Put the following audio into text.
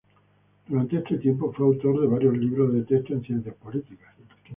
Durante este tiempo fue autor de varios libros de texto de ciencias políticas.